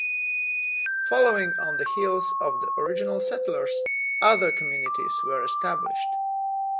Following on the heels of the original settlers, other communities were established.